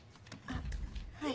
はい。